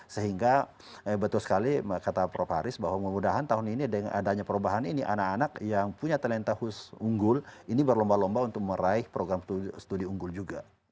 sehingga betul sekali kata prof haris bahwa mudah mudahan tahun ini dengan adanya perubahan ini anak anak yang punya talenta khusus unggul ini berlomba lomba untuk meraih program studi unggul juga